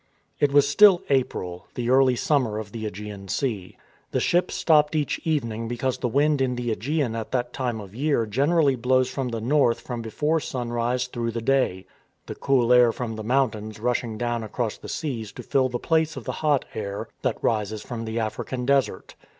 It was still April, the early summer of the ^gean Sea. The ship stopped each evening because the wind in the ^Egean at that time of year generally blows from the north from before sunrise through the day — the cool air from the mountains rushing down across the seas to fill the place of the hot air that rises from the African desert.